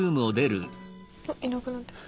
あっいなくなってる。